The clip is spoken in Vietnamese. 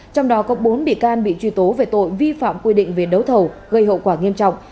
trong đó có bốn bị can bị truy tố về tội vi phạm quy định về đấu thầu gây hậu quả nghiêm trọng